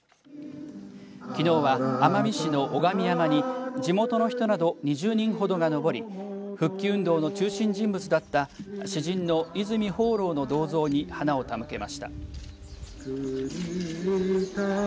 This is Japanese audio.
きのうは奄美市のおがみ山に地元の人など２０人ほどが登り復帰運動の中心人物だった詩人の泉芳朗の銅像に花を手向けました。